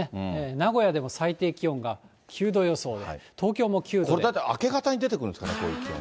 名古屋でも最低気温が９度予想で、これ、だって明け方に出てくるんですかね、こういう気温は。